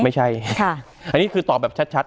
ไม่ใช่ค่ะอันนี้คือตอบแบบชัด